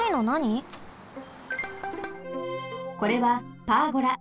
これはパーゴラ。